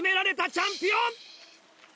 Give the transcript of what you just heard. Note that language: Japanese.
チャンピオン。